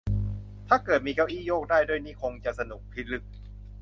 ถ้าเกิดมีเก้าอี้โยกได้ด้วยนี่คงจะสนุกพิลึก